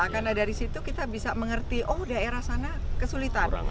karena dari situ kita bisa mengerti oh daerah sana kesulitan